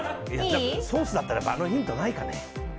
ソースだったらあのヒントないかね。